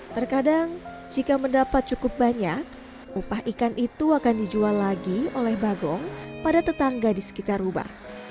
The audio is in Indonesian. terkadang jika mendapat cukup banyak upah ikan itu akan dijual lagi oleh bagong pada tetangga di sekitar rubah